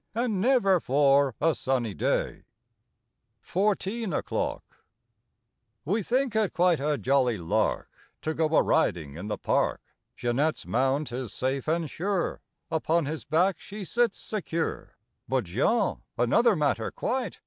And never for a sunny day! 29 THIRTEEN O'CLOCK 31 FOURTEEN O'CLOCK W E think it quite a jolly lark To go a riding in the park. Jeanette's mount is safe and sure, Upon his back she sits secure. But Jean—another matter, quite!